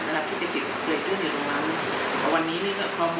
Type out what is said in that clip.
ระดับที่เกิดขึ้นอยู่ลงน้ำ